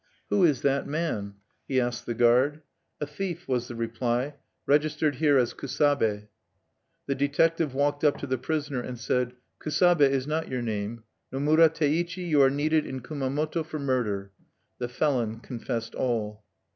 "Who is that man?" he asked the guard. "A thief," was the reply, "registered here as Kusabe." The detective walked up to the prisoner and said: "Kusabe is not your name. Nomura Teichi, you are needed in Kumamoto for murder." The felon confessed all.